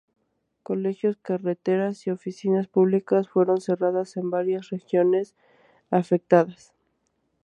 Colegios, carreteras y oficinas públicas fueron cerradas en varias regiones afectadas.